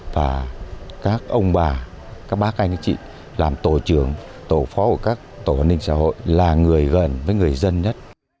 và các ông bà các bác anh chị làm tổ trưởng tổ phó của các tổ an ninh xã hội là người gần với người dân nhất